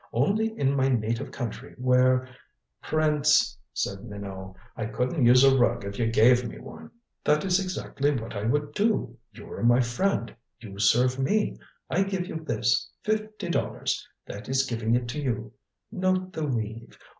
Only in my native country, where " "Prince," said Minot, "I couldn't use a rug if you gave me one." "That is exactly what I would do. You are my friend. You serve me. I give you this. Fifty dollars. That is giving it to you. Note the weave.